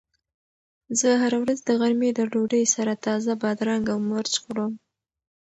زه هره ورځ د غرمې د ډوډۍ سره تازه بادرنګ او مرچ خورم.